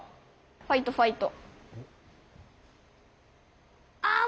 ファイトファイト。